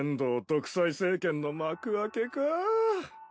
独裁政権の幕開けか。